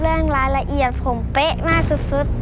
เรื่องรายละเอียดผมเป๊ะมากสุด